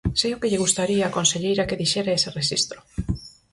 Sei o que lle gustaría á conselleira que dixera ese rexistro.